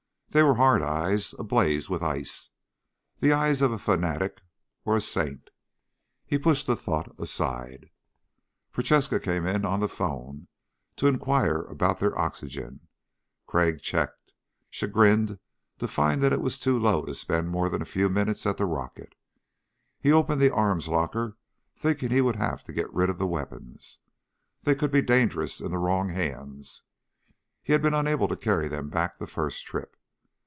They were hard eyes, ablaze with ice ... the eyes of a fanatic or a saint. He pushed the thought aside. Prochaska came in on the phones to inquire about their oxygen. Crag checked, chagrined to find that it was too low to spend more than a few minutes at the rocket. He opened the arms locker, thinking he would have to get rid of the weapons. They could be dangerous in the wrong hands. He had been unable to carry them back the first trip.